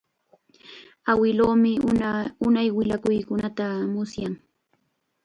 Awiluumi unay willakuykunata musyan.